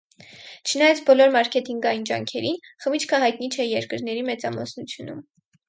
Չնայած բոլոր մարքեթինգային ջանքերին՝ խմիչքը հայտնի չէ երկրների մեծամասնությունում։